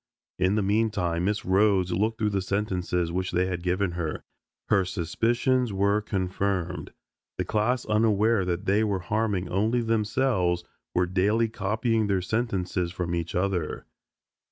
In the meantime Miss Rhodes looked through the sentences which they had given her. Her suspicions were confirmed. The class, unaware that they were harming only themselves, were daily copying their sentences from each other.